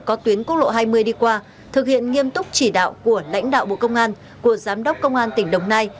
có tuyến quốc lộ hai mươi đi qua thực hiện nghiêm túc chỉ đạo của lãnh đạo bộ công an của giám đốc công an tỉnh đồng nai